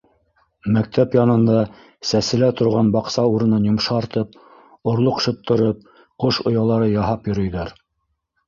Мәктәп янында сәселә торған баҡса урынын йомшартып, орлоҡ шыттырып, ҡош оялары яһап йөрөйҙәр.